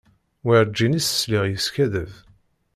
Werǧin i s-sliɣ yeskaddeb.